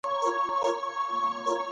که نباتات ناروغه سي باید درملنه یې وسي.